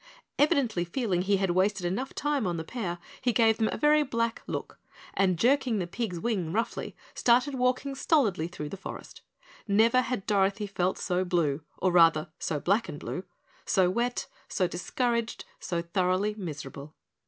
Evidently feeling he had wasted enough time on the pair, he gave them a very black look and, jerking the pig's wing roughly, started walking stolidly through the forest. Never had Dorothy felt so blue, or rather so black and blue so wet, so discouraged, so thoroughly miserable!